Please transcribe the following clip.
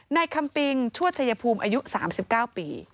นายคำปิงชั่วชัยภูมิอายุ๓๙ปี